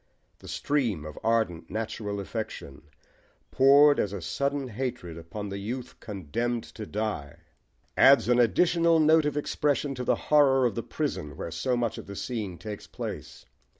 The stream of ardent natural affection, poured as sudden hatred upon the youth condemned to die, adds an additional note of expression to the horror of the prison where so much of the scene takes place.